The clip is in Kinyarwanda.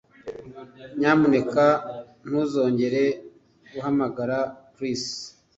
Nyamuneka ntuzongere guhamagara Chris